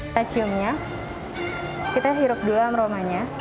stachiumnya kita hirup dulu amromanya